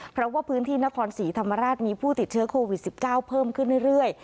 เพราะว่าพื้นที่นครศรีธรรมราชมีผู้ติดเชื้อโควิด๑๙เพิ่มขึ้นเรื่อย